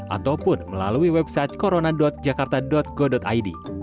ataupun melalui website corona jakarta go id